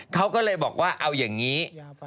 เขาก็เลยบอกว่าเอาอย่างนี้